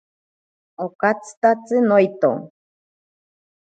Okatyitatsi noito.